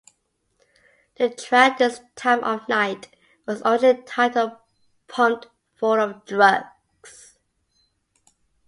The track "This Time of Night" was originally titled "Pumped Full of Drugs".